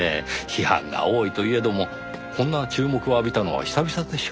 批判が多いといえどもこんな注目を浴びたのは久々でしょう？